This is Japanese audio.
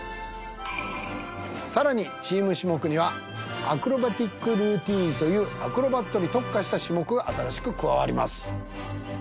さらにチーム種目にはアクロバティックルーティンというアクロバットに特化した種目が新しく加わります。